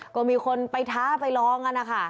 ก็มีคนไปท้าไปร้องน่ะค่ะ